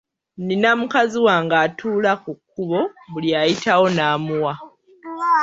Nina mukazi wange atuula ku kkubo buli ayitiwo n’amuwa.